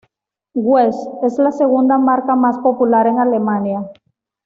West es la segunda marca más popular en Alemania.